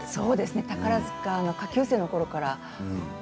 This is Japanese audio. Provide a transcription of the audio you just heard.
宝塚の下級生のころから。